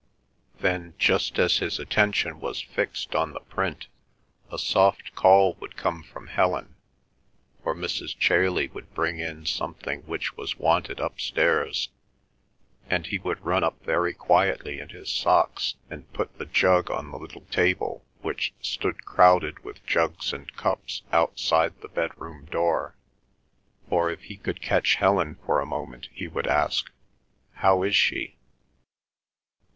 Then, just as his attention was fixed on the print, a soft call would come from Helen, or Mrs. Chailey would bring in something which was wanted upstairs, and he would run up very quietly in his socks, and put the jug on the little table which stood crowded with jugs and cups outside the bedroom door; or if he could catch Helen for a moment he would ask, "How is she?"